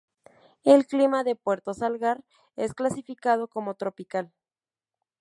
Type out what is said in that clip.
El clima de Puerto Salgar es clasificado como tropical.